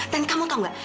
dan kamu tahu tidak